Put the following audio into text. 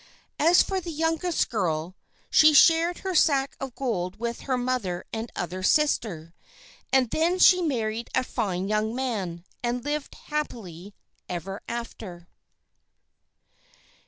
As for the youngest girl, she shared her sack of gold with her mother and other sister, and then she married a fine young man, and lived happily ever after.